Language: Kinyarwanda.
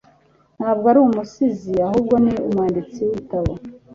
Ntabwo ari umusizi ahubwo ni umwanditsi w'ibitabo